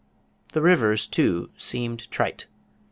The rivers, too, seemed trite.